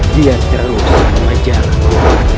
dia terus mengejar aku